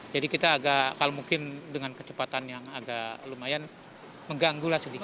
jadi kita agak kalau mungkin dengan kecepatan yang agak lumayan mengganggulah sedikit